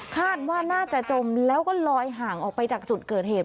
คาดว่าน่าจะจมแล้วก็ลอยห่างออกไปจากจุดเกิดเหตุ